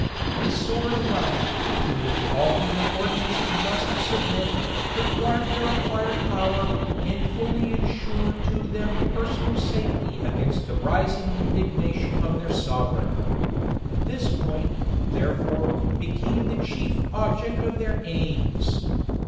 The sword alone, to which all human ordinances must submit, could guard their acquired power, and fully insure to them personal safety against the rising indignation of their sovereign. This point, therefore, became the chief object of their aims.